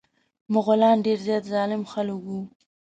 مغولان ډير زيات ظالم خلک وه.